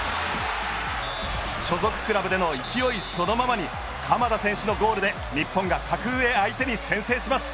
所属クラブでの勢いそのままに鎌田選手のゴールで日本が格上相手に先制します。